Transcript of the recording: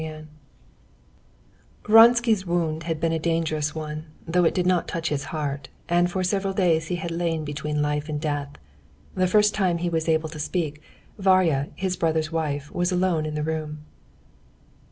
Chapter 23 Vronsky's wound had been a dangerous one, though it did not touch the heart, and for several days he had lain between life and death. The first time he was able to speak, Varya, his brother's wife, was alone in the room.